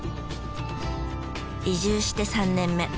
移住して３年目。